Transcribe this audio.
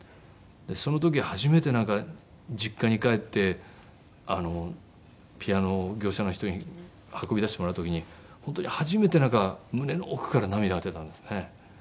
その時初めて実家に帰ってピアノを業者の人に運び出してもらう時に本当に初めてなんか胸の奥から涙が出たんですね。